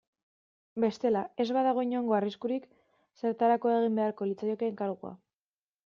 Bestela, ez badago inongo arriskurik zertarako egin beharko litzaioke enkargua.